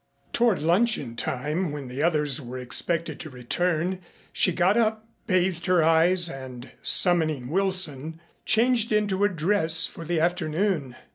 Toward luncheon time when the others were expected to return she got up, bathed her eyes and, summoning Wilson, changed into a dress for the afternoon.